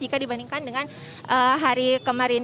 jika dibandingkan dengan hari kemarin